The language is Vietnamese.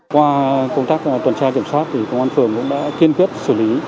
qua công tác tuần tra kiểm soát thì công an phường cũng đã kiên quyết xử lý